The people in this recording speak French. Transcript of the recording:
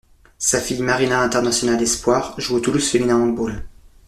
Sa fille Marina, internationale espoir, joue au Toulouse Féminin Handball.